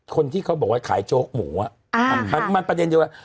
คนที่เขาบอกว่าขายโจ๊กหมูอ่ะมันประเด็นเดียวว่า